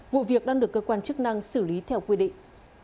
vụ việc đang được cơ quan chức năng xử lý theo quy định